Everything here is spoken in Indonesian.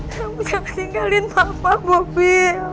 kamu jangan tinggalin mama bobi